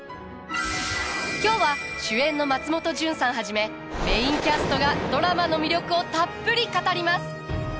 今日は主演の松本潤さんはじめメインキャストがドラマの魅力をたっぷり語ります。